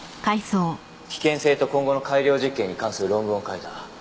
危険性と今後の改良実験に関する論文を書いた。